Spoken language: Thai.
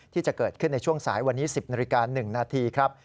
ที่จะเกิดขึ้นในช่วงสายวันนี้๑๐นาฬิกา๑นาทีครับ